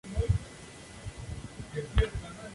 Actualmente ejerce como primera decana la Dra.